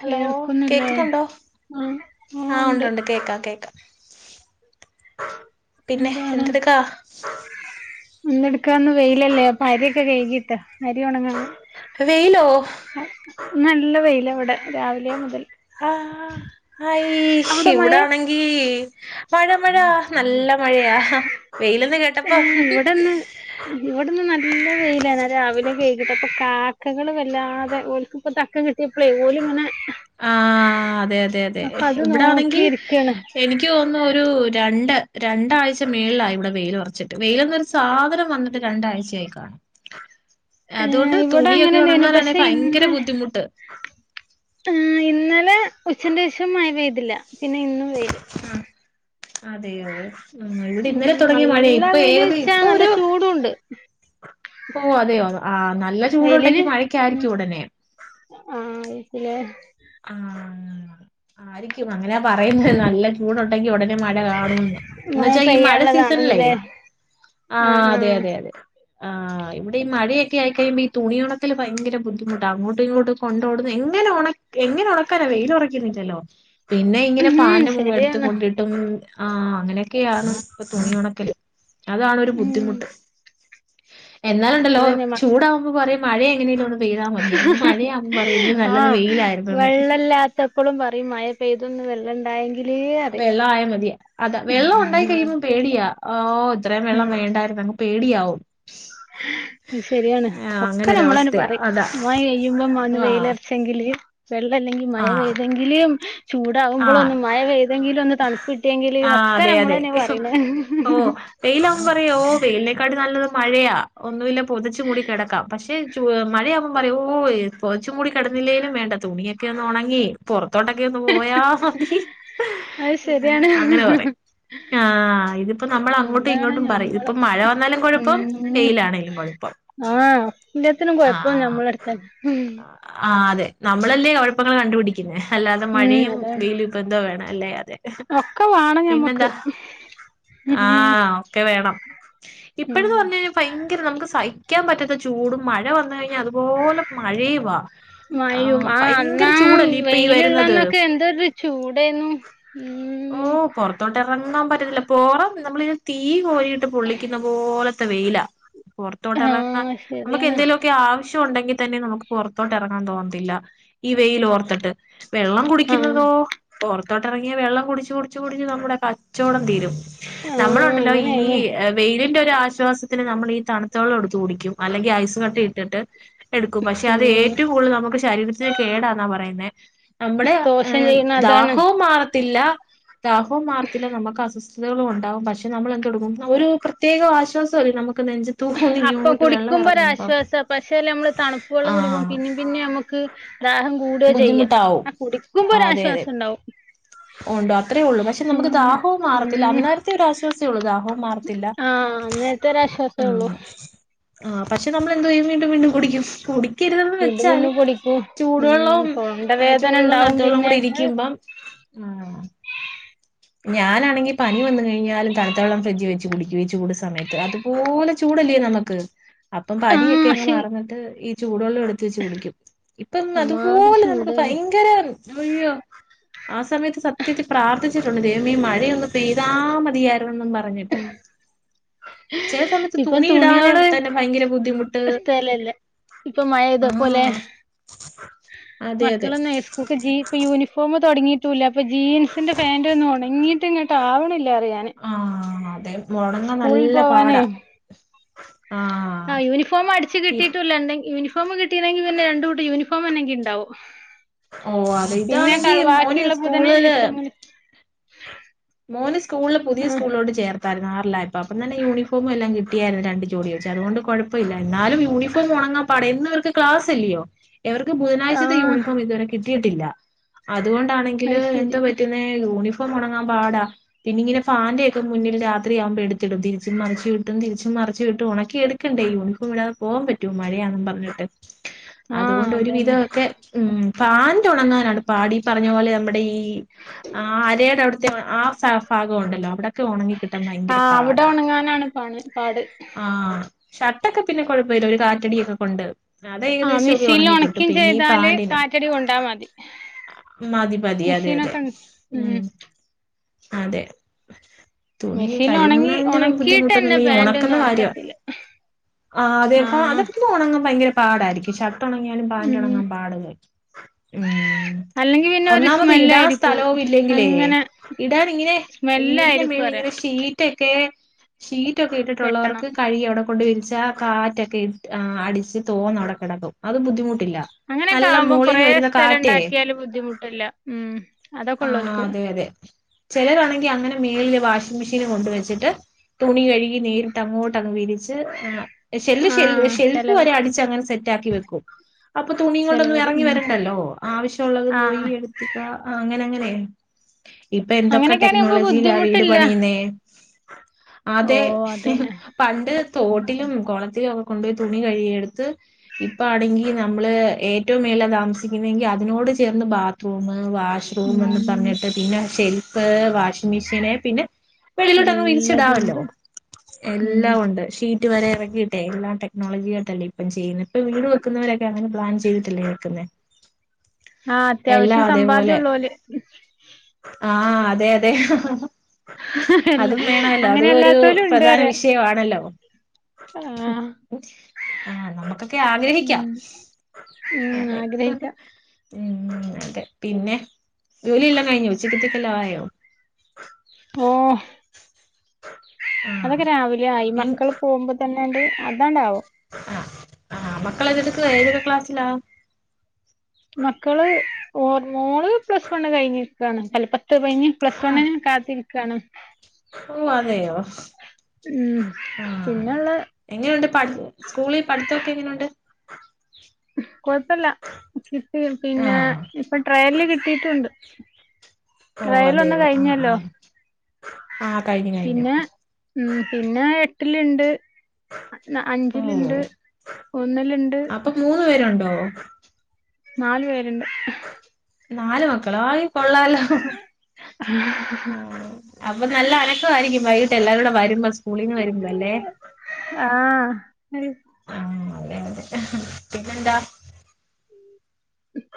Hello കേൾക്കുന്നില്ലേ കേക്കുന്നുണ്ടോ ആഹ് ആഹ് ആ ഉണ്ട് ഒണ്ടൊണ്ട് കേക്കാം കേക്കാം പിന്നെ എന്താണ് എന്തെടുക്കാ ഇന്നെടുക്കാവുന്ന വെയിലല്ലേ അപ്പ അരിയൊക്കെ കഴികീട്ടാ അരി ഒണങ്ങാനാ വെയിലോ ഇന്ന് നല്ല വെയിലാ ഇവിടെ രാവിലെ മുതൽ ആ ആ ഐഷ് അവിടെ മഴേ ഇവിടാണെങ്കി മഴ മഴ നല്ല മഴയാ വെയ് ഉം ഇവിടിന്ന് ഇവിടിന്ന് നല്ല വെയിലാ ഞാൻ രാവിലെ കയികിട്ടപ്പ കാക്കകളെ വല്ലാതെ ഓൽക്ക്പ്പം തക്കം കിട് ആഹ് അതെ അതെ അതെ അപ്പൊ അത് ഇവിടാണെങ്കി നോക്കിയിരിക്കാണ് എനിക്കു തോന്നുന്നു ഒരു രണ്ട് രണ്ടാഴ്ച മേളിലായി വടെ വെയിലൊറച്ചിട്ട് വെയിലെന്നൊരു സാധനം വന്നിട്ട് രണ്ടാഴ്ച ആയികാണും ഏഹ് അതുകൊണ്ട് ഇവിടെ തുണിയൊക്കെ അങ്ങനെന്നേനു ഒണങ്ങാനാണെ പക്ഷെ ഭയങ്കര ബുദ്ധിമുട്ട് ങ്ങാ ഇന്നലെ ഉച്ചന്റെഷം മഴ പെയ്തില്ല പിന്നിന്നും വെയില് ആഹ് അതെയോ മ് ഉം ഇവിടിന്നലെ തൊടങ്ങിയ മഴയാ നല്ല ഇപ്പൊ വെയില് ഏകദേ വെച്ചാ നല്ല ഇപ്പൊരു ചൂടുണ്ട് പോവതെയോ ആ നല്ല വെയിലിന് ചൂടുണ്ടൊങ്കി ഉം മഴക്കാരിക്കും ഉടനെ ആ ഇതിലെ ആ ആരിക്കും അങ്ങനാ പറയുന്നെ നല്ല ചൂടൊണ്ടെങ്കി ഒടനെ ന്നെ മഴ കാണുമെന്ന് എന്നേച്ചാ ഈ മഴ സീസണിലേ ആ അതെ അതെ അതെ ആ ഇവിടെയും മഴയൊക്കെ ആയികഴിയുമ്പം ഈ തുണികളൊക് ക്കല് ഭയങ്കര ബുദ്ധിമുട്ടാ അങ്ങോട്ടു ഇങ്ങോട്ടു കൊണ്ടോടുന്ന എങ്ങനൊണ എങ്ങനൊണക്കാനാ വെയിലൊ റക്കുന്നില്ലലോ പിന്നെ ഇങ്ങനെ ഉം ഫാനിന്റെ മു എടുത്തു ശരിയാണ് കൊണ്ടിട്ടും ആ അങ്ങിനൊക്കെയാണ് പ്പൊ തുണി ഒണക്കല് അതാണൊരു ഉം ബുദ്ധിമുട്ട് എന്നാലുണ്ടല്ലോ അതന്നെ മ ചൂടാവുമ്പോ പറയും മഴ എങ്ങനേലൊ പെയ്താ മതിയെന്ന് മഴയാവുമ്പം പറയും ഇതില് ആ നല്ലത് വെയിലായി വെള്ളല്ലാത്തപ്പളും പറയും മഴപ്പെയ്തൊന്ന് വെള്ളണ്ടായെങ്കി വെള്ളം ആയാ മതിയാ അതാ വെള്ളം ഉണ്ടായി പറയും കഴിയുമ്പോ പേടിയാ ഓ ഇത്രയും ആ വെള്ളം വേണ്ടായിരുന്നു പേടിയാവും ശരിയാണ് ആഹ് ഒക്കെ നമ്മളന് അങ്ങനൊരവസ്ഥയാ പറയും അതാ മഴ പെയുമ്പം ആഹ് വെയിലറച്ചെങ്കില് വെള്ളല്ലെങ്കിൽ മഴ ആഹ് പെയ്തെങ്കിലും ചൂടാവുമ്പൊളൊന്നും മയ പെയ്തെങ്കി ആ അതെ അതെ പറയണേ ഓ വെയിലാമ്പറയാ ഓ വെയിലിനേക്കാട്ടി നല്ലത് മഴയാ ഒന്നൂല്ല പൊതച്ചുമൂടി കിടക്കാം പക്ഷെ മഴയാകുമ്പോ പറ ഓ പൊതച്ചുമൂടി കിടന്നില്ലേലും വേണ്ട തുണിയൊക്കെ ഒന്ന് ഉണങ്ങി പുറ തുട കന്നും പോയാമതി അത് ശരിയാണ് അങ്ങനെ പറയും ആഹ ഇതിപ്പോ നമ്മൾ അങ്ങോട്ടും അതാണ് ഇങ്ങോട്ടും പറയും ഞമ്മള് ഇതിപ്പ മഴ വന്നാലും കുഴപ്പം ഉം വെയിലാണെങ്കിലും കുഴപ്പം ആഹ് എല്ലാത്തിനും ആ കൊഴപ്പം ഞമ്മളെടുത്തന്നെ ആ അതെ നമ്മളല്ലേ കുഴപ്പങ്ങള് കണ്ടപിടിക്ക അല്ലാതെ ഉം മഴയും അതാണ് വെയിലുപ്പന്തോ വേണം അല്ലേ ഒക്കെ വാണം ഞമ്മക്ക് പിന്നെന്താ ആ ഉം ഒക്കെ വേണം ഉം ഇപ്പഴ്ന്ന് പറഞ്ഞകഴിഞാ ഭയങ്കര നമുക്ക് സഹിക്കാൻ പറ്റാത്ത ചൂ ചൂടും മഴ വന്ന കഴിഞ്ഞാൽ അ മയയും ആഹ് ആ ഭയങ്കര അന്നാ ചൂടല്ലേ ഇപ്പൊ ഈ വരുന്നത് വെയിലുള്ളന്നൊക്കെ എന്തരു ചൂടേന്നു ഓ ഉം പൊറത്തോട്ട ഇങ്ങാൻ പറ്റുന്നില്ല പോറം നമ്മളിത് തീ കോരിയിട്ട് പൊള്ളിക്കുന്ന പോലത്തെ വെയിലാ. പുറത്തോട്ട ഇറങ്ങ ആഹ് നമുക്ക് ശരിയാണ് എന്തേലുക്കെ ആവശ്യം ഉണ്ടെങ്കിൽ തന്നെ നമുക്ക് പുറത്തോട്ട് ഇറങ്ങാൻ തോന്നത്തില്ല ഈ വെയിലോർത്തിട്ട് വെള്ളം ആഹ് കുടിക്കുന്നതോ ഓർ ഇറങ്ങിയ വെള്ളം കുടിച്ച് കുടിച്ച് കുടിച്ച് നമ്മുടെ കച്ചവടം തീരും ആഹ് നമ്മളുണ്ടല്ലോ ഈ അങ്ങനെയാണ് വെയിലിന്റെ രു ആശ്വാസത്തിന് നമ്മളീ തണുത്തവെള്ളൊടുത്ത് കുടിക്കും അല്ലെങ്കി ഐസ് കട്ട ഇട്ടിട്ട് എടുക്കും പക്ഷേ അത് ഉം ഏറ്റവും കൂടുതൽ നമുക്ക് ശരീരത്തിന് കേടാന്നാ പറയുന്നത് നമ്മുടെ ദോഷം ങ്ങ് ചെയ്യുന്ന അതാണ് ദാഹോം തില്ല ദാഹം മാറത്തില്ല നമുക്ക് അസ്വസ്ഥതകളും ഉണ്ടാകും പക്ഷേ നമ്മൾ എന്തെടുക്കും ഒരു പ്രത്യേക ആശ്വാസ നമുക്ക് നെഞ്ചത്തൂന്ന് അപ്പം ഇങ്ങോട്ട് വെള്ളം കുടിക്കുമ്പോ ഇറങ്ങുമ്പം ഒരാശ്വാസാ പക്ഷേ നമ്മള് തണുപ്പ് വെള്ളം കുടിക്കും ആഹ് പിന്നിം പിന്നിം നമ്മുക്ക് ദാഹം കൂടുവാ ചെയ്യാ ബുദ്ധിമുട്ടാവും ആ കുടിക്കുമ്പോ ആഹ് അതെ അതെ ഒരാശ്വാസംണ്ടാവും ഉണ്ടോ അത്രേ ഉള്ളൂ പക്ഷേ നമുക്ക് ദാഹവും മാറത്തില്ല അന്നേരത്തെ ഒരു ആശ്വാസേഒള്ളു ദാ ആ അനേരത്തെ ഒരാ ആശ്വാസേ ഉള്ളു ആ പക്ഷേ നമ്മള് എന്തോ ചെയ്യും വീണ്ടും വീണ്ടും കുടിക്കും കുടി കരുതമ്പൾ വീണ്ടും വെച്ചാലും വീണ്ടും കുടിക്കും ഉം ചൂടുവെള്ളവും ചൂടുവെള്ളം തൊണ്ടവേദനണ്ടാവും തണുത്തവെള്ളം പിന്നെ കൂടെ ഇ അത് രിക്കുമ്പം ആ ഞാനാണെങ്കി പനി വന്ന കഴിഞ്ഞാലും തണുത്ത വെള്ളം ഞാനാണെങ്കിൽ പനി വന്ന് കഴിഞ്ഞാലും തന്നുത്ത വെള്ളംഫ്രിഡ്ജ് വെച്ച് കുടിക്കയും ചെയ് അപ്പം പനിയൊക്കെ ആഹ് അങ്ങ് ശി മറന്നിട്ട് ഇത് ചൂടുെള്ളം എടുത്ത് വെച്ച് കുടിക്കും ഇപ്പം അമ്മാതിരി അതുപോലെ നമുക്ക് ചൂടേന്നു ഭയങ്കര ആ സമയത്ത് സത്യത്തിൽ പ്രാർത്ഥിച്ച ദെ ദേമിയെമഴയൊന്ന് പെയ്താ മതിയായി എന്നും പറഞ്ഞിട്ട് ചില സമയത്ത് ഇപ്പം തുണിയിടാനെ തുണിയോള് തന്നെ ഭയങ്കര ബുദ്ധിമുട്ട് സ്ഥലല്ല ഇപ്പൊ ആ മഴെയ്തപ്പോലേ അതെ അതെ തൊടങ്ങിട്ടൂല്ല ഇപ്പൊ ജീൻസിന്റെ പാന്റ് ഒന്നോണെ ഇങ്ങിട്ട് ഇങ്ങോട്ട് ആവണില്ല ങ്ങഅറിയാന് ദേവ് സ്കൂളിൽ പോവാനേ ആ, ആഹ് യൂണിഫോം അടിച്ചു കിട്ടിട്ടുല്ല എന്തങ്കിയു ഫോം കിട്ടീണെങ്കിൽ പിന്നെ രണ്ട് കുട്ടംട്യൂണിഫോം അെങ്കിൽ ഉണ്ടാവും ഓ അത ഇതാണെങ്കി മോന് ബുധന് സ്കൂളില് ദിവസങ്ങളിൽ മോന് സ്കൂളില് പുതിയ ആഹ് സ്കൂളിലോട്ട് ചേർ തര്നാർ പ്പ അപ്പനല്ല യൂണഫോ എല്ലാ കിട്ട് കുട്ടിയായിരുന്നു രണ്ട് ജോഡി വേടിച്ചു അത്‌ കൊണ്ട് കൊഴ്പ്പല്ല്യ എന്നാലും യൂണിഫോം ഒണങ്ങാൻ പാടാ എന്നും ഇവര്ക്ക് ക്ലാസ്സില്ലയോ എവർക്ക് ബുധനാഴ്ചത്തെ ആഹ് യൂണിഫോം ഇതുവരെ കിട്ടി കിട്ടീട്ടില്ലാ അതുകൊണ്ടാണെങ്കില് അത് ശരി എന്താ പറ്റുന്നേ യൂണിഫോ ഫം ഒണങ്ങാൻ പാടാ പിന്നെ ഇങ്ങനെ ഫാന്റെ ഒക്കെ മുന്നില് രാത്രിയാകുമ്പേ എടുത്തിടും തിരിച്ചും മറിച്ചും ഇട്ടും തിരിച്ചും മറിച്ചും ഇട്ട് ഒണക്കി എടുക്കണ്ടേ യൂണിഫോം ഇടാതെ പോകാൻ പറ്റോ മഴയാണെന്നും പറഞ്ഞിട്ട് ആഹ് അതുകൊണ്ട് ഒരു അതന്നെ വിധമൊക്കെ ഉം പാൻ്റ് ഉണങ്ങാനുണ്ട് പാടി പറഞ്ഞപോലെ നമ്മുടെയീ ആരേ വിട്തേ ആഹ് ഭാ ഭാഗം ഉണ്ടല്ലോ അവിടെ ഒക്കെ ഉണങ്ങിക്കിട്ടാൻ ഭയങ്കര ആഹ് അവിടെ പാടാ ഒണങ്ങാനാണ് പണി പാട് ആ ഷർട്ടൊക്കെ പിന്നെ കൊഴപ്പല്ല ഒരു കാറ്റടി ഒക്കെ കൊണ്ട് അത് ആഹ് ഏകദേശം ഒക്കെ മിഷീനിൽ ഒണങ്ങി കിട്ടും ഒണക്കിം പിന്നെ ഈ ചെയ്താല് പാൻ്റിനാ കാറ്റടി കൊണ്ടാ മതി ആ ഉം പാതി പതി മിഷീനൊക്കെ ഉം അതേ തുണി മെഷീനിൽ ഒണങ്ങി കഴുകുന്നതിൻ്റെ ഒണക്കിയിട്ടന്നെ ബുദ്ധിമുട്ടൊന്നുമില്ല ഈ പാന്റ് ഒണക്കുന്ന ഒന്നും കാര്യമാ ഒണക്കത്തില്ല ആഹ് അതെ ആഹ് അതെല്ലാം ഉണങ്ങാൻ ഭയങ്കര പാടായിരിക്കും ഷർട്ട് ട്ട് ഒണങ്ങിയാലും പാൻ്റ് ഉം ഒണങ്ങാൻ പാടല്ലെ ഉം അല്ലെങ്കി പിന്നെ ഒരു ഒന്നാമത് ഇടാൻ സ്മെല്ലായിരിക്കും സ്ഥലൊവു ഇല്ലെങ്കിലെ അങ്ങനെ ഇടാൻ ഇങ്ങിനെ വീടിൻ്റെ സ്മെല്ലായിരിക്കും പറയാ മേളിലിങ്ങിനെ ഷീറ്റെ റ്റേ ഷീ റ്റൊക്കെ കെട്ടണം ഇട്ടിട്ടുള്ളവർക്ക് കഴുകി അവിടെ കൊണ്ടെയ് വിരിച്ച് റ്റാ കാറ്റൊക്കെ ഇട്ട് ആ അടിച്ച് തോർന്ന് അവിടെ കെടക്കും അത് ബുദ്ധിമു അങ്ങനെയൊക്കെ ആവുമ്പം കൊറെ സ്ഥലം ഇണ്ടാക്കിയാലും ബുദ്ധിമുട്ട്ല്ല ആഹ് അതെയതെ ചെലരാണെങ്കിൽ അങ്ങനെ മേള്ല് വാഷിംഗ് മെഷീനും കൊണ്ട് വെച്ചിട്ട് തുണി കഴുകി നേരിട്ട് അങ്ങോ ട്ട അങ്ങ് വിരിച്ച് ഏ ഷെല്ല് ഷെൽ ആഹ് ഷെൽഫ് ചെലവ വരെ അടിച്ച് അങ്ങനെ സെ റ്റാക്കി വെക്കും അപ്പൊ തുണികൊണ്ടൊന്നും ചെലവര് എറങ്ങി ഉം വരണ്ടല്ലോ ആവശ്യം ഒള്ളത് പോയി ആഹ് എടുത്ത് ക [unintelligible] ഇപ്പം എന്തൊക്കെ അങ്ങനെയൊക്കെയാണെ നമുക്ക് ടെക്നോളജിയിലാ വീട് ബുദ്ധിമുട്ടില്ല പണിയിന്നെ ഓ അതേ അതന്നെ പണ്ട് തോട്ടിലും കൊളത്തിലൊ കൊണ്ടോയി തുണി കഴുകിയെടുത്ത് ഇപ്പാണെങ്കി നമ്മള് ഏറ്റവും മേളിലാ താമസിക്കിന്നങ്കിൽ അതിനോട് ചേർന്ന് ബാത്റൂമ് വ റൂമെന്ന് ഉം പറഞ്ഞിട്ട് പിന്നെ ഷെല് [unintelligible] ഷിംഗ് മെഷീൻ പിന്നെ വെളിലോട്ടങ്ങ് എല്ലതും വിരിച്ചിടാമല്ലോ ഉണ്ട് ഉം എല്ലാം ഒണ്ട് ഷീ റ്റ് വരെ എറക്കിയിട്ടെ എല്ലാം ടെക്നോളജിയായിട്ടല്ലേ ഇപ്പം ചെയ്യുന്നേ. ഇപ്പം വീടുവെക്കുന്നവരൊക്കെ അങ്ങനെ പ്ലാൻ ചെയ്തിട്ടല്ലേ വെയ്ക്കുന്നെ ആഹ് അത്യാവശ്യം സമ്പാദ്യം ഉളളവ അല്ലെ ഉം അതേ അതേ എല്ല അതും വേണമല്ലോ അങ്ങനെ അതൊരു അല്ലാത്തോലും ഉണ്ട് പ്രധാന പറയാ വിഷയം ആണല്ലോ ആഹ് ആ നമുക്കൊക്കെ ആഗ്രഹിക്കാ ഉം ഉം അതെ ആഗ്രഹിക്കാം ഉം അതെ പിന്നെ ജോലിയെല്ലാം കഴിഞ്ഞൊ ഉച്ചക്കത്തേക്ക് എല്ലാം ആയോ പോ ആഹ് അതൊക്കെ രാവിലെ ആയി. മക്കള് പോവുമ്പോ ത [unintelligible] അതാണ്ടാവും ആ ആ മക്കള് [unintelligible] ഏതൊരു ക്ലാസിലാ മക്കള് ഓ മോള് പ്ലസ് വണ്ണ് കഴിഞ്ഞ് ക്കാണ് ഹെല്പ് ത്ത് കഴിഞ്ഞ് പ്ലസ് വണ്ണിന് കാത്തിരി ക്കാണ് ഓ അതെയോ. ഉം ആ പിന്നെള്ള എങ്ങനുണ്ട് പഠ് സ്‌കൂളി പഠിത്തൊക്കെ എങ്ങനുണ്ട്? കൊഴപ്പൊല്ല. കിട്ടി പിന്നെ ആഹ് ഇപ്പ ട്രയലില് കിട്ടിയിട്ടുണ്ട്. ഓഹ് ട്രയലൊന്ന് അതെയോ ആഹ് കഴിഞ്ഞല്ലോ. ആഹ് ആഹ് കഴിഞ്ഞു കഴിഞ്ഞു പിന്നെ ഉം പിന്നെ എ ട്ടിലിണ്ട്. ഓ ഒന്നിലുണ്ട് അപ്പൊ മൂന്നു പേരുണ്ടോ? നാലു പേരുണ്ട് നാലു മക്കളോ അയ് കൊള്ളാല്ലോ. ആ അപ്പൊ നല്ല അനക്കായിരിക്കും വൈകി ട്ടെല്ലാരും കൂടെ വരുമ്പോ സ് കൂളീന്ന് വരുമ്പോ അല്ലേ. ആഹ് ആ [unintelligible] പിന്നെന്താ?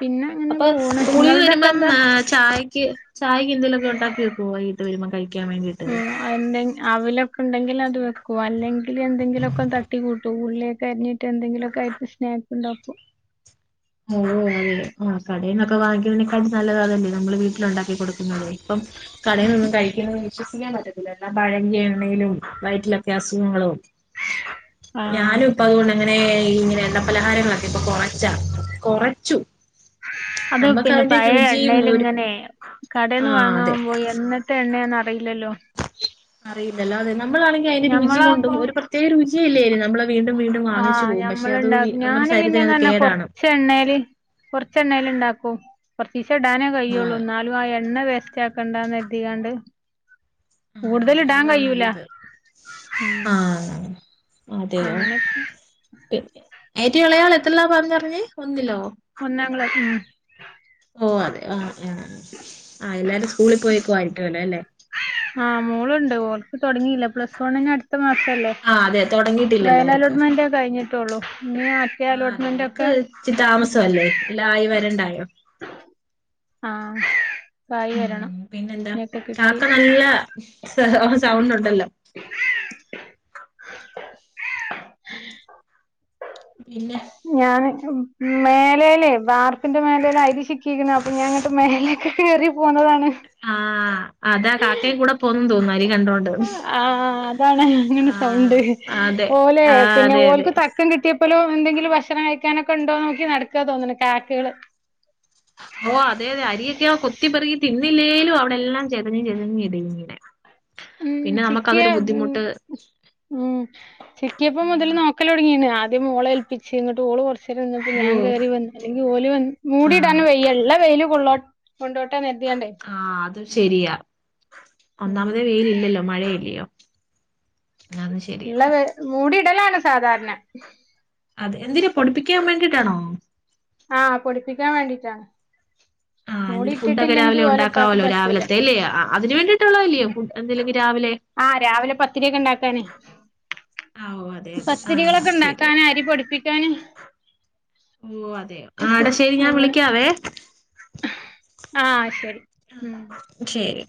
പിന്നെ അങ്ങനെ അപ്പ പോണ് സ്‌കൂളിന്നു നിങ്ങളതൊക്കെ വരുമ്പം എന്താ മേ ചായക്ക് ചായയ്ക്ക് എന്തേലും ഒക്കെ ഉണ്ടാക്കി വയ്ക്കോ വൈകീട്ടു വരുമ്പോ കഴി ക്കാൻ വേണ്ടീട്ട് അവ് ലൊക്കെ ഇണ്ടെങ്കിൽ അത് വെ യ്ക്കു അല്ലെങ്കി ല് എന്തെങ്കിലും ഒക്കെ തട്ടികൂട്ടും. ഉള്ളീയൊക്കെ അരിഞ്ഞ് എന്തെങ്കിലൊക്കായിട്ട് സ്‌നാക്ക് ഉണ്ടാക്കു. മോള് മൂന്നണിആയി. ആ കടേന്നൊക്കെ വാങ്ങിക്കുന്നതിനെക്കാട്ടി നല്ലത് അതല്ലെ. നമ്മള് വീട്ടില് ഉണ്ടാക്കി കൊടുക്കുന്നത്. ഇപ്പം കടേന്ന് ഒന്നും കഴിക്ക്ന്നത് വിശ്വസിക്കാൻ പറ്റത്തില്ല. എല്ലാം പഴകിയ ണെങ്കിലും വയറ്റിലൊക്കെ അസുഖങ്ങളും ആഹ് ഞാനും ഇപ്പൊ അതു കൊണ്ടു അങ്ങനെ ഇങ്ങനെ എണ്ണ പലഹാരങ്ങളൊക്കെ ഇപ്പൊ കൊറച്ച കൊറച്ചു. അത് പിന്നെ അതിന്റെ പഴേ രുചിയും ഒരു എണ്ണേല്ങ്ങനെ കടേന്ന് ആഹ് അതെ വാങ്ങാവുമ്പൊ എന്നത്തെ എണ്ണേന്നറീലല്ലൊ അറിയില്ലല്ലൊ അതെന്നെ നമ്മളാണെങ്കി അയ്ന് രുചി കൊണ്ടും ഒരു പ്രത്യേക രുചി ആ പക്ഷെ അത് ഞമ്മള്ണ്ടാ വി നമ്മുടെ ഞാന് ശരീരത്തിന് പിന്നെന്ന് അത് പറഞ്ഞാ കേടാണ് കൊർച്ചെണ്ണേല് കൊർചെണ്ണേലാ ഇണ്ടാക്കും കൊർ ഇടാനെ ഓ കയ്യോള്ളൂ എന്നാലും ആ എണ്ണ വേസറ്റാ കേൾക്കണ്ടാന്ന് ര്തിയാ [unintelligible] ണ്ട് ആ അതെ അതാ നല്ലത് ആ ഉം [unintelligible] ഏറ്റവും എളെയാള് എത്രലാ പറഞ്ഞറിഞ്ഞെ ഒന്നിലോ ഒന്നാം ക്ലാസ് മ് ഓ അതെ ആ ആ ആ ആ എല്ലാരും സ് സ്കൂളി പോയേക്കൂവായിട്ടല്ലോ അല്ലേ ഓക്കാ തൊട്ങ്ങീല്ല പ്ലസ് വണ്ണിന് അട് അട്ത്ത മാസല്ലേ ആഹ് അതെ ട്രയൽ അലോട്ട്മെന്റെ കഴിഞ്ഞിട്ട് ത്തോളൂ ആ അതെ അവർക്ക് ഇച്ചി താമസവല്ലേ എല്ലാം ആയി വരണ്ടായോ ആഹ് ആയി മ്മ് വരണം പിന്നെന്താ ഇനിയൊക്കെ കിട്ടി കാക്ക നല്ല സ സൗണ്ടൊണ്ടല്ലോ പിന്നെ ഞാൻ മേലേലെ വാർ വാർപ്പിൻ്റെ മേലെ ഒര് അയിരി ചിക്കീക്ക്ണ് അപംഞാങ്ങട്ട് മേലേക് കേറി പോ പോന്നതാണ് ആഹ് അതാ കാക്കയും കൂടെ പോന്നും തോന്നുന്നു അരി കണ്ടോണ്ട് ആ അതാണ് അങ്ങനെ സൗണ്ട് ആഹ് അതെ ഓലെ ആഹ് പിന്നെ അതെ അതെ ഓൽക്ക് തക്കം കിട്ടിയപ്പലും എന്തെങ്കി ഭക്ഷണം കഴിക്കാനൊക്കെ ഉണ്ടോന്ന് നോക്കി നടക്കാ തോന്നുണ് കാക്കകള് ഓ അതെ അതെ അരിയൊക്കെ കൊത്തിപ്പറുകി തിന്നില്ലേലും അവിടെ എല്ലാം ചെതഞ്ഞ് ചെതഞ് ഇടേം ചെയ്യ്ന്നെ മ്മ് ചിക്കിയ മ്മ് ചിക്കിയപ്പോ മുതൽ ആഹ് നോക്കലൊട്ങ്ങീണ് ആദ്യം മോളേൽപ്പിച്ച് ഓള് കൊർ കൊർചേരിര്ന്നപ്പോ ഓ ഞാൻ കേറി വന്ന് എല്ലങ്കിൽ ഓല് വന്ന് മൂടിടാനും വെയ്യ ഇള്ള വെയിൽ കൊള്ളട്ട് ആ അതും ശരിയാ ഉം ഒന്നാമതെ വെയിലില്ലല്ലോ മഴയല്ലേ യൊ ഇല്ല മൂടീടലാണ് സാധാരണേ അത് എന്തിന് പൊടിപ്പിക്കാൻ വേണ്ടീട്ടാണോ ആ പൊടിപ്പിക്കാൻ വേണ്ടീട്ടാണ് ആ ന്നിട്ട് ഫുടൊക്കെ രാവിലെ ഇപ്പാക്ക് ഉണ്ടാക്കാവല്ലോ പറ്റൂല രാവിലത്തെ ലേ അതിന് വേണ്ടീട്ടുള്ളതല്ലേ ഉം ഫുഡ് എന്തേലും ഒക്കെ രാവിലെ ക്കനെ ആ ഓ അതെയതെ ആ ശരി ഇണ്ടാക്കാന് അരി പൊടിപ്പിക്കാന് ഓ അതെ ആ ടാ ശരി ഞാൻ വിളിക്കാവേ ആഹ് ശരി ഉം ആഹ് ശരി